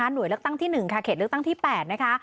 หน่วยเลือกตั้งที่๑ค่ะเขตเลือกตั้งที่๘นะคะ